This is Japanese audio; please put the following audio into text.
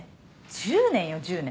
１０年よ１０年